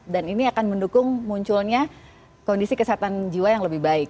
dan ini akan mendukung munculnya kondisi kesehatan jiwa yang lebih baik